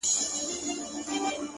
له درېيم کوره راغلې څه ځلا ده;